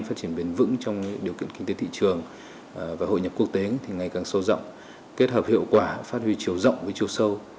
phát triển bền vững trong điều kiện kinh tế thị trường và hội nhập quốc tế thì ngày càng sâu rộng kết hợp hiệu quả phát huy chiều rộng với chiều sâu